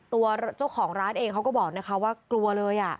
ตัวเจ้าของร้านเองเขาก็บอกนะคะว่ากลัวเลย